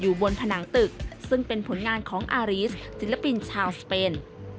บนผนังตึกซึ่งเป็นผลงานของอารีสศิลปินชาวสเปน